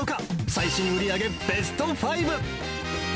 最新売り上げベスト５。